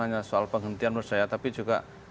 hanya soal penghentian menurut saya tapi juga